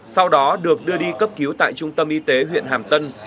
sau đó được đưa đi cấp cứu tại trung tâm y tế huyện hàm tân